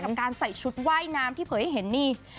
กับการใส่ชุดว่ายน้ำที่เผยให้เห็นนี่